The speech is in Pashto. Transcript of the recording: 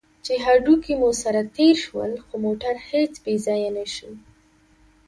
چې هډوکي مو سره تېر شول، خو موټر هېڅ بې ځایه نه شو.